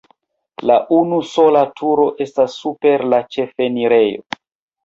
La unusola turo estas super la ĉefenirejo.